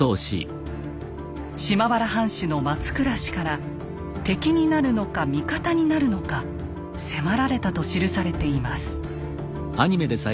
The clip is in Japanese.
島原藩主の松倉氏から敵になるのか味方になるのか迫られたと記されています。